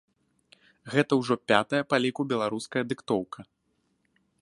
Гэта ўжо пятая па ліку беларуская дыктоўка.